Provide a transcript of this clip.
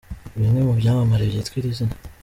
Bimwe mu byamamare byitwa iri zina.